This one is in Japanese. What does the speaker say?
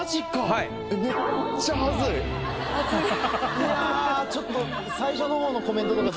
いやちょっと。